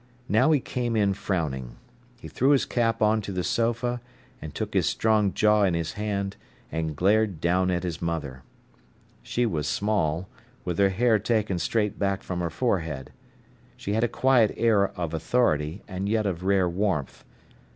Now he came in frowning. He threw his cap on to the sofa, and took his strong jaw in his hand, and glared down at his mother. She was small, with her hair taken straight back from her forehead. She had a quiet air of authority, and yet of rare warmth.